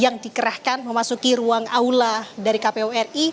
kami juga dikerjakan memasuki ruang aula dari kpu ri